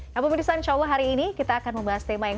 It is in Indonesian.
nah pemirsa insya allah hari ini kita akan membahas tema yang